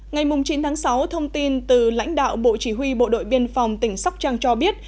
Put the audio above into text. ngày chín tháng sáu thông tin từ lãnh đạo bộ chỉ huy bộ đội biên phòng tỉnh sóc trăng cho biết